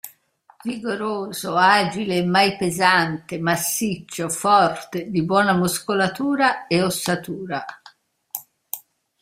Vigoroso, agile e mai pesante, massiccio, forte, di buona muscolatura e ossatura.